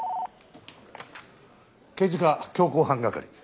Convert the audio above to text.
刑事課強行犯係。